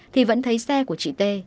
thì vẫn thấy xe của chị t